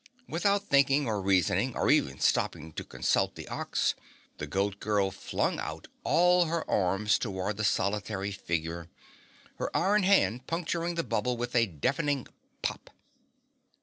Without thinking or reasoning, or even stopping to consult the Ox, the Goat Girl flung out all her arms toward the solitary figure, her iron hand puncturing the bubble with a deafening pop.